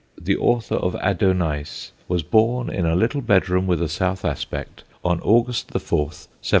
The author of Adonais was born in a little bedroom with a south aspect on August 4, 1792.